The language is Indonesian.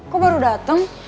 kok baru dateng